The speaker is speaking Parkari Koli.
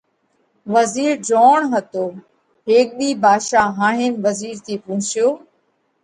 وزِير جوئوڻ هتو۔ هيڪ ۮِي ڀاڌشا هاهينَ وزِير نئہ پونشيو: